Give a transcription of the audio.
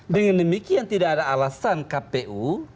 dengan demikian tidak ada alasan kpu